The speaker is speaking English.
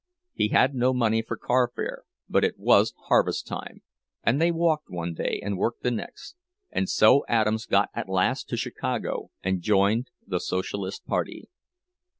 He had no money for carfare, but it was harvest time, and they walked one day and worked the next; and so Adams got at last to Chicago, and joined the Socialist party.